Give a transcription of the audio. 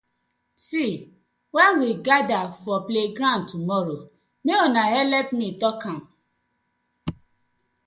See wen we gather for playground tomorrow mek una helep me tok am.